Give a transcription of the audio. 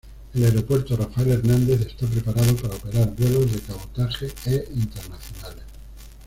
El Aeropuerto Rafael Hernández está preparado para operar vuelos de cabotaje e internacionales.